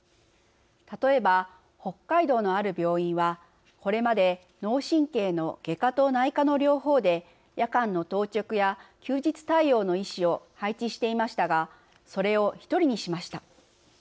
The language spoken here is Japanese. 例えば北海道の、ある病院はこれまで脳神経の外科と内科の両方で夜間の当直や休日対応の医師を配置していましたがそれを１人にしました。